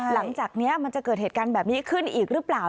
หลังจากนี้มันจะเกิดเหตุการณ์แบบนี้ขึ้นอีกหรือเปล่า